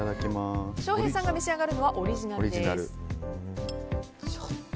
翔平さんが召し上がるのはオリジナルです。